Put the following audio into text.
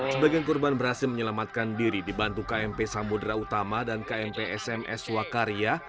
sebagian korban berhasil menyelamatkan diri dibantu kmp samudera utama dan kmp sms wakarya